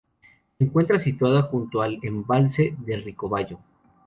Se encuentra situada junto al embalse de Ricobayo.